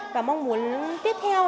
và mong muốn tiếp theo